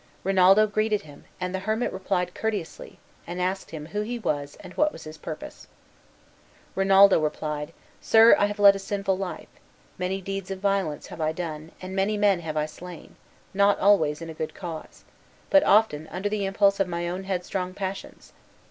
Rinaldo greeted him, and the hermit replied courteously, and asked him who he was and what was his purpose. Rinaldo replied, "Sir, I have led a sinful life; many deeds of violence have I done, and many men have I slain, not always in a good cause, but often under the impulse of my own headstrong passions.